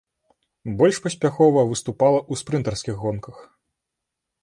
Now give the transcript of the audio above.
Больш паспяхова выступала ў спрынтарскіх гонках.